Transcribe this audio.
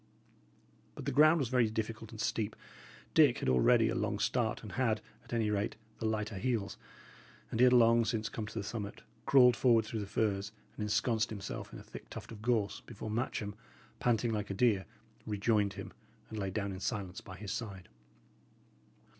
But the ground was very difficult and steep; Dick had already a long start, and had, at any rate, the lighter heels, and he had long since come to the summit, crawled forward through the firs, and ensconced himself in a thick tuft of gorse, before Matcham, panting like a deer, rejoined him, and lay down in silence by his side.